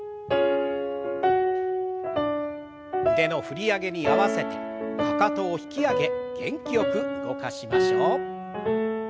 腕の振り上げに合わせてかかとを引き上げ元気よく動かしましょう。